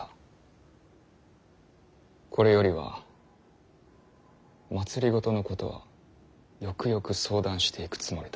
これよりは政のことはよくよく相談していくつもりだ。